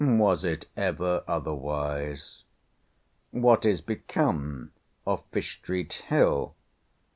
Was it ever otherwise? What is become of Fish street Hill?